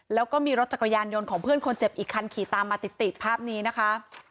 แล้วก็มีรถจักรยานยนต์ของเพื่อนคนเจ็บอีกคันขี่ตามมาติดติดภาพนี้นะคะ